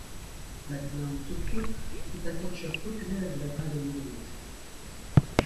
Magnum Tokyo est un catcheur populaire de la Dragon Gate.